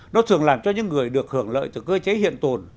nó thường làm cho những người được hưởng lợi từ cơ chế hiện tồn